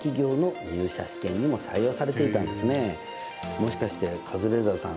もしかしてカズレーザーさん